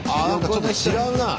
ちょっと違うなあ。